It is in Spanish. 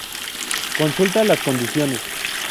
Consulta las condiciones.